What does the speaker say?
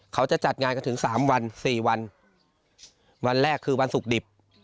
เขาจะจัดงานกันถึงสามวันสี่วันวันแรกคือวันศุกร์ดิบ